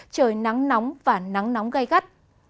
trời nắng nóng và nắng nóng gay gắt